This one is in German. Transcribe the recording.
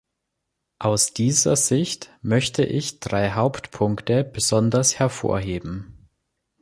Aus dieser Sicht möchte ich drei Hauptpunkte besonders hervorheben.